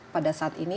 pada saat ini